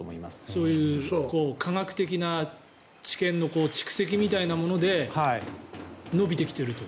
そういう科学的な知見の蓄積みたいなもので伸びてきてると。